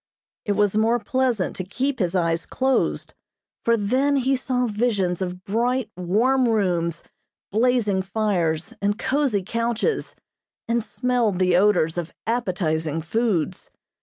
It was more pleasant to keep his eyes closed, for then he saw visions of bright, warm rooms, blazing fires and cozy couches, and smelled the odors of appetizing foods.